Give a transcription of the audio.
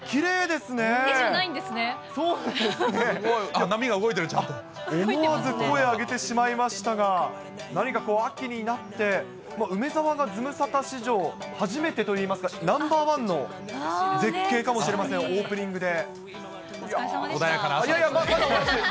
すごい、波が動いてる、思わず声上げてしまいましたが、何かこう、秋になって梅澤がズムサタ史上初めてといいますか、ナンバー１の絶景かもしれません、オープニングで。